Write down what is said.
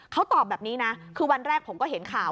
เขาตอบแบบนี้นะคือวันแรกผมก็เห็นข่าว